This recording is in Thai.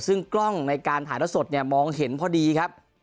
ซึ่งกล้องในการถ่ายละสดเนี่ยมองเห็นพอดีครับ